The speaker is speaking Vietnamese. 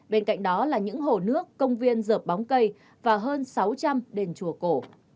bên cạnh đó là những hồ nước công viên dợp bóng cây và hơn sáu trăm linh đền chùa cổ